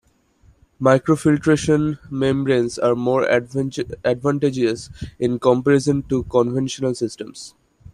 Microfiltration membranes are more advantageous in comparison to conventional systems.